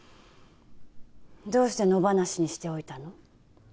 どうして野放しにしておいたの？